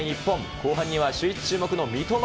後半にはシューイチ注目の三笘。